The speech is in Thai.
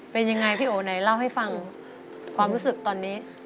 เป็นยังไงพี่โอไหนเล่าให้ฟังความรู้สึกตอนนี้